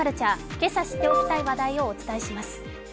今朝知っておきたい話題をお伝えします。